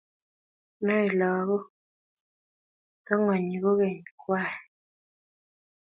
Noei lagok, tongonyi konyek kwai